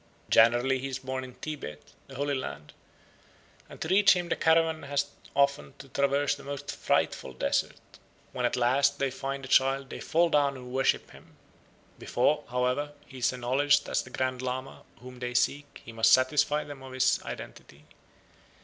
Generally he is born in Tibet, the holy land, and to reach him the caravan has often to traverse the most frightful deserts. When at last they find the child they fall down and worship him. Before, however, he is acknowledged as the Grand Lama whom they seek he must satisfy them of his identity.